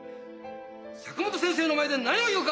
佐久本先生の前で何を言うか！